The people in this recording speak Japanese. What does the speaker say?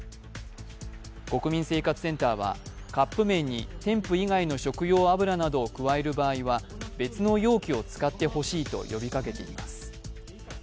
国民生活センターはカップ麺に添付以外の食用油などを加える場合は別の容器を使ってほしいと呼びかけています。